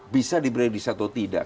bisa diprediksi atau tidak